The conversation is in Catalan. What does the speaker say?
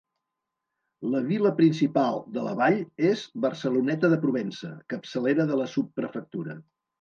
La vila principal de la vall és Barceloneta de Provença, capçalera de la subprefectura.